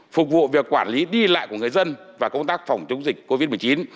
phục vụ việc quản lý đi lại của người dân và công tác phòng chống dịch covid một mươi chín